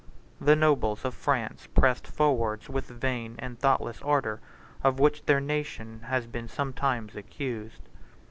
61 The nobles of France pressed forwards with the vain and thoughtless ardor of which their nation has been sometimes accused.